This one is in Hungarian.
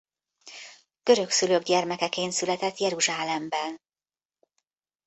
Görög szülők gyermekeként született Jeruzsálemben.